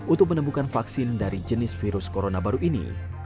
untuk menemukan vaksin dari jenis virus corona baru ini